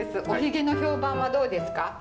おヒゲの評判はどうですか？